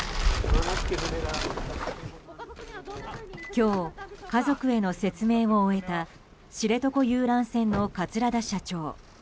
今日、家族への説明を終えた知床遊覧船の桂田社長。